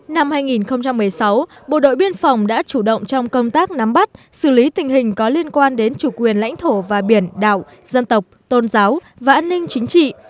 năm hai nghìn một mươi sáu bộ đội biên phòng đã chủ động trong công tác nắm bắt xử lý tình hình có liên quan đến chủ quyền lãnh thổ và biển đảo dân tộc tôn giáo và an ninh chính trị